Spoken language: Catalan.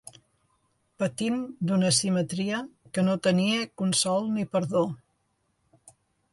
Patint d'una simetria que no tenia consol ni perdó.